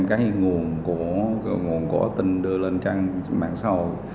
cái nguồn của tin đưa lên trang mạng xã hội